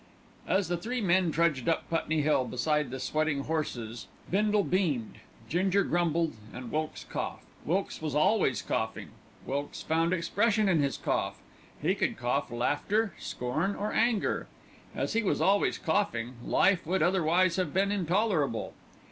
As the three men trudged up Putney Hill beside the sweating horses, Bindle beamed, Ginger grumbled, and Wilkes coughed. Wilkes was always coughing. Wilkes found expression in his cough. He could cough laughter, scorn, or anger. As he was always coughing, life would otherwise have been intolerable.